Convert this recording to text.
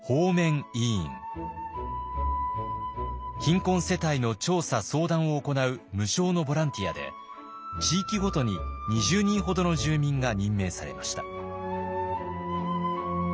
貧困世帯の調査相談を行う無償のボランティアで地域ごとに２０人ほどの住民が任命されました。